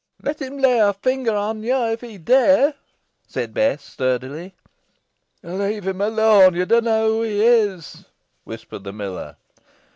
"Let him lay a finger on yo if he dare," said Bess, sturdily. "Leave him alone yo dunna knoa who he is," whispered the miller.